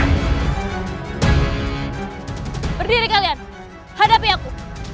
berdiri kalian hadapi aku